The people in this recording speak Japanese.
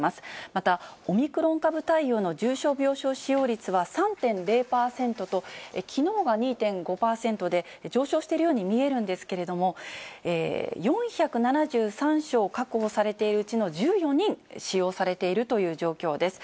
また、オミクロン株対応の重症病床使用率は３．０％と、きのうは２．５％で、上昇しているように見えるんですけれども、４７３床確保されているうちの１４人使用されているという状況です。